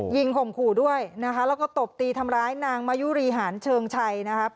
ห่มขู่ด้วยนะคะแล้วก็ตบตีทำร้ายนางมายุรีหารเชิงชัยนะครับ